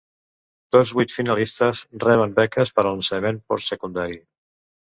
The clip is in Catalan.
Tots vuit finalistes reben beques per a l'ensenyament postsecundari.